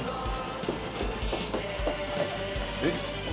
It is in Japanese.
えっ？